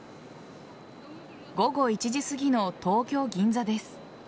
午後１時すぎの東京・銀座です。